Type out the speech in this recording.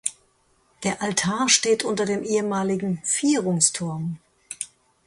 Der Altar steht unter dem ehemaligen Vierungsturm.